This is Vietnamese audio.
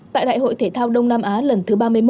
tại đại hội thể thao đông nam á lần thứ ba mươi một